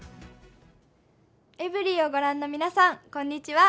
エブリィをご覧の皆さん、こんにちは。